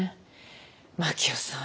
真樹夫さん